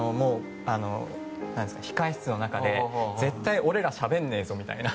控え室の中で、絶対俺らしゃべんねえぞみたいな。